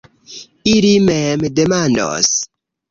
Ili mem demandos.